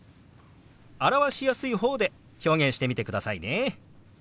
表しやすい方で表現してみてくださいね。